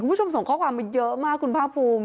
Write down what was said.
คุณผู้ชมส่งข้อความมาเยอะมากคุณภาคภูมิ